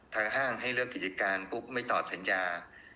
ห้างให้เลิกกิจการปุ๊บไม่ตอบสัญญา